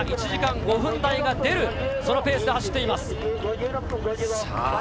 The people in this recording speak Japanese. １時間５分台が出る、そのペースで走っています。